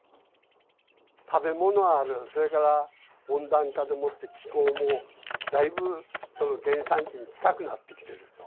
食べ物はある、それから温暖化でもって気候もだいぶ原産地に近くなってきている。